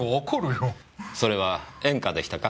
それは演歌でしたか？